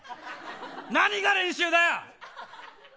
何が練習だよ。